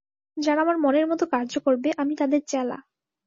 যারা আমার মনের মত কার্য করবে, আমি তাদের চেলা।